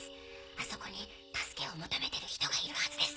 あそこに助けを求めてる人がいるはずです。